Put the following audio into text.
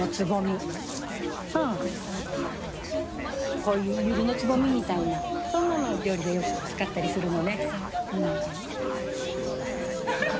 こうユリのつぼみみたいなそんなのを料理でよく使ったりするのねうん。